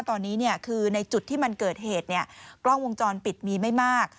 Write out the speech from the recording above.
ตอนนี้คือในจุดที่มันเกิดเหตุกล้องวงจรปิดมีไม่มาก